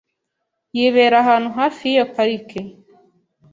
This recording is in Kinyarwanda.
Yibera ahantu hafi yiyo parike .